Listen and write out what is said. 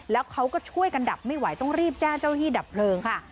แล้วเขาก็ช่วยกันดับไม่ไหวต้องรีบแจ้งเจ้าที่ดับเพลิงค่ะ